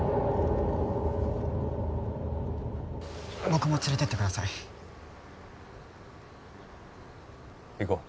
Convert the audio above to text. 僕も連れてってください行こう